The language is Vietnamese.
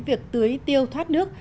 việc tưới tiêu thoát nước